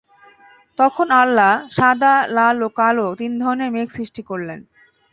তখন আল্লাহ সাদা, লাল ও কাল তিন ধরনের মেঘ সৃষ্টি করলেন।